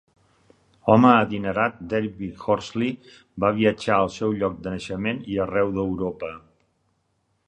Home adinerat, David Horsley va viatjar al seu lloc de naixement i arreu d'Europa.